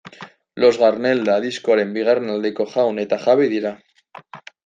Los Galerna diskoaren bigarren aldeko jaun eta jabe dira.